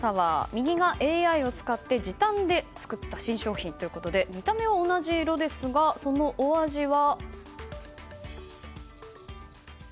右が、ＡＩを使って時短で作った新商品ということで見た目は同じ色ですがそのお味は。